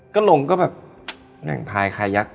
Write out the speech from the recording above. ก็ลงก็แบบก็แบบพายคายัก